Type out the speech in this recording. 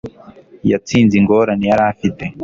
Yatsinze ingorane yari afite